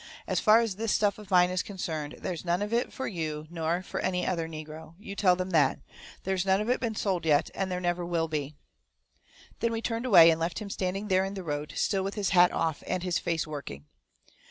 As far as this stuff of mine is concerned, there's none of it for you nor for any other negro. You tell them that. There's none of it been sold yet and there never will be." Then we turned away and left him standing there in the road, still with his hat off and his face working.